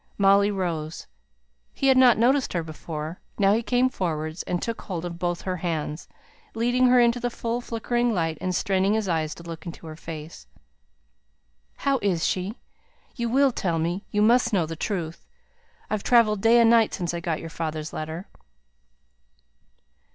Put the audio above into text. Molly rose. He had not noticed her before; now he came forwards, and took hold of both her hands, leading her into the full flickering light, and straining his eyes to look into her face. "How is she? You will tell me you must know the truth! I've travelled day and night since I got your father's letter."